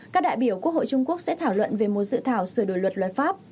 các đại biểu quốc hội trung quốc sẽ thảo luận về một dự thảo sửa đổi luật luật pháp